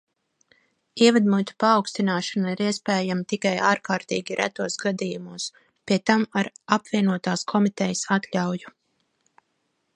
Ievedmuitu paaugstināšana ir iespējama tikai ārkārtīgi retos gadījumos, pie tam ar apvienotās komitejas atļauju.